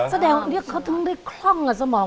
แสดงเขาต้องได้คล่องสมอง